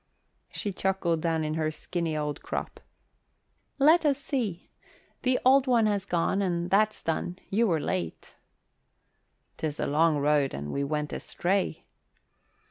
She chuckled down in her skinny old crop. "Let us see. The Old One has gone and that's done. You were late." "'Tis a long road and we went astray."